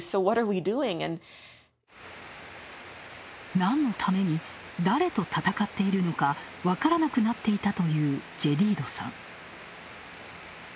なんのために、誰と戦っているのか分からなくなっていたというジェディードさん。